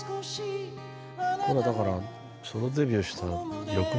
これだからソロデビューした翌年ですよね。